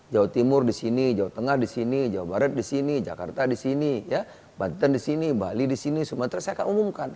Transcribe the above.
jawa timur disini jawa tengah disini jawa barat disini jakarta disini banten disini bali disini sumatera saya akan umumkan